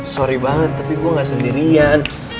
sorry banget tapi gue gak sendirian